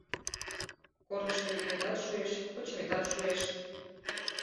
Корнышто йӱметат шуэш, кочметат шуэш.